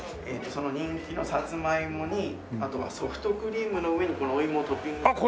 人気のサツマイモにあとはソフトクリームの上にこのお芋をトッピングして。